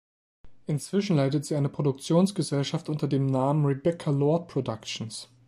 Inzwischen leitet sie eine eigene Produktionsgesellschaft unter dem Namen "Rebecca Lord Productions".